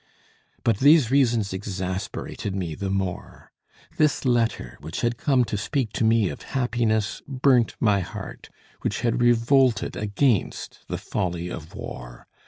But these reasons exasperated me the more: this letter, which had come to speak to me of happiness, burnt my heart, which had revolted against the folly of war.